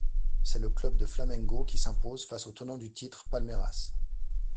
C'est le club de Flamengo qui s'impose face au tenant du titre, Palmeiras.